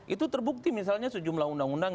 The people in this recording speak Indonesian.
itu terbukti misalnya sejumlah undang undang